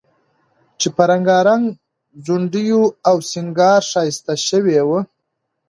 چې په رنګارنګ ځونډیو او سینګار ښایسته شوی و،